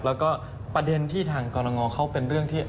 แล้วก็ประเด็นที่ทางกรณงเขาเป็นเรื่องที่